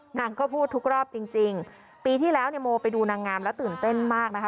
นางก็พูดทุกรอบจริงจริงปีที่แล้วเนี่ยโมไปดูนางงามแล้วตื่นเต้นมากนะคะ